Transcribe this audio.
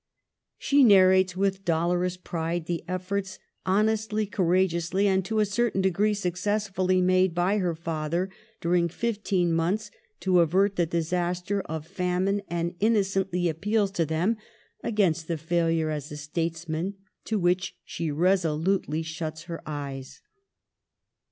She narrates with dolorous pride the efforts honestly, courageously, and to a certain degree successfully, made by her father, during fifteen months, to avert the disaster of famine ; and inno cently appeals to them against the failure as a statesman, to which she resolutely shuts her eyes.